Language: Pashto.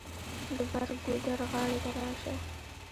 د بر ګودر غاړې ته راشه.